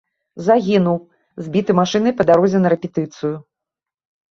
Загінуў, збіты машынай па дарозе на рэпетыцыю.